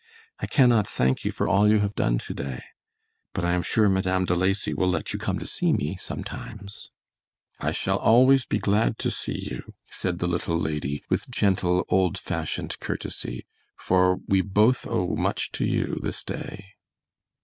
"I cannot thank you for all you have done to day, but I am sure Madame De Lacy will let you come to see me sometimes." "I shall be always glad to see you," said the little lady, with gentle, old fashioned courtesy, "for we both owe much to you this day."